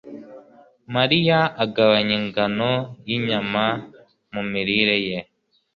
Mariya agabanya ingano yinyama mumirire ye.